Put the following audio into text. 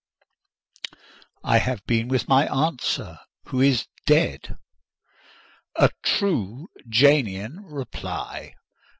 "I have been with my aunt, sir, who is dead." "A true Janian reply!